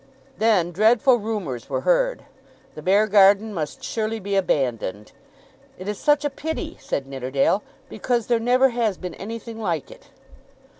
Then dreadful rumours were heard. The Beargarden must surely be abandoned. "It is such a pity," said Nidderdale, "because there never has been anything like it."